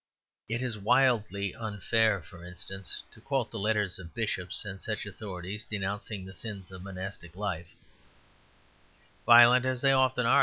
It is wildly unfair, for instance, to quote the letters of bishops and such authorities denouncing the sins of monastic life, violent as they often are.